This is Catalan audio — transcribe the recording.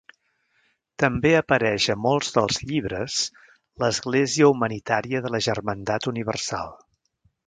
També apareix a molts dels llibres l'església humanitària de la germandat universal.